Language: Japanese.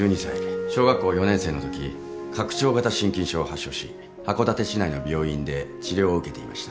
小学校４年生のとき拡張型心筋症を発症し函館市内の病院で治療を受けていました。